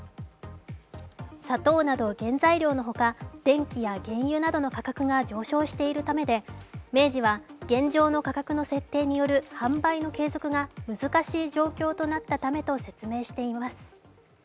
砂糖など原材料の他、電気や原油などの価格が上昇しているためで、明治は現状の価格の設定による販売の継続が難しい状況となったためと説明しています。